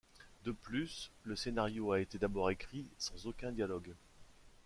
De plus, le scénario a été d’abord écrit sans aucun dialogue.